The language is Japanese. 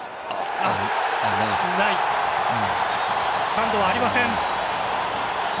ハンドはありません。